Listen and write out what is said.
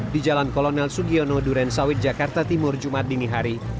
di jalan kolonel sugiono duren sawit jakarta timur jumat dini hari